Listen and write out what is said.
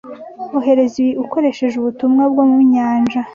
Ohereza ibi ukoresheje ubutumwa bwo mu nyanja.